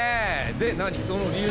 で何その理由は？